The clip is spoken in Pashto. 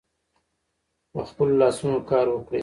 په خپلو لاسونو کار وکړئ.